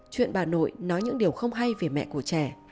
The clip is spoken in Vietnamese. chuyện bà nội nói những điều không hay về mẹ của trẻ